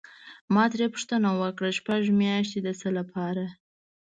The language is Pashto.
ما ترې پوښتنه وکړه: شپږ میاشتې د څه لپاره؟